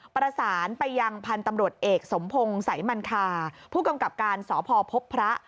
ประสานไปยังพันธุ์ตำรวจเอกสมพงศ์สายมันคาผู้กำกับการสพพบพระ